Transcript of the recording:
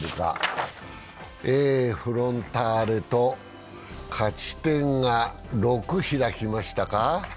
フロンターレと勝ち点が６開きましたか。